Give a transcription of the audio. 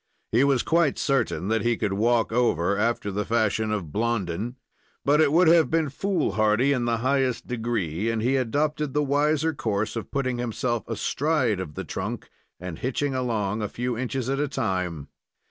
He was quite certain that he could walk over, after the fashion of Blondin, but it would have been foolhardy in the highest degree, and he adopted the wiser course of putting himself astride of the trunk, and hitching along a few inches at a time.